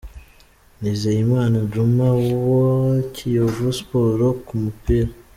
Nizeyimana Djuma wa Kiyovu Sport ku mupira.